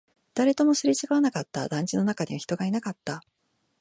誰ともすれ違わなかった、団地の中には人がいなかった